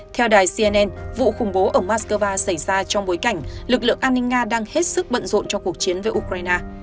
theo đài cnn vụ khủng bố ở moscow xảy ra trong bối cảnh lực lượng an ninh nga đang hết sức bận rộn cho cuộc chiến với ukraine